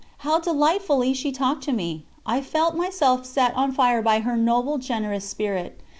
How delightfully she talked to me! I felt myself set on fire by her noble, generous spirit.